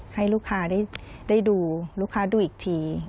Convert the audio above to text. ให้ลูกค้าได้ดูลูกค้าดูอีกที